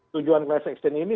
tujuan kelas aksion ini